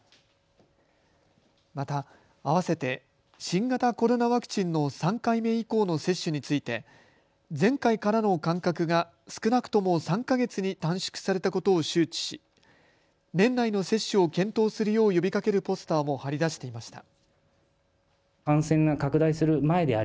また併せて新型コロナワクチンの３回目以降の接種について前回からの間隔が少なくとも３か月に短縮されたことを周知し年内の接種を検討するよう呼びかけるポスターも貼り出していました。